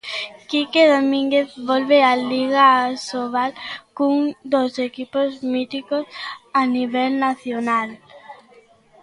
Quique Domínguez volve á Liga Asobal cun dos equipos míticos a nivel nacional.